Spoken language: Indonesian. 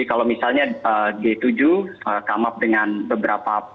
come up dengan beberapa